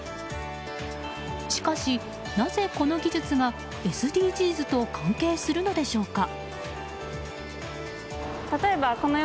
しかし、なぜこの技術がＳＤＧｓと関係するのでしょうか。